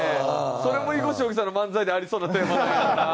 それも囲碁将棋さんの漫才でありそうなテーマだけどな。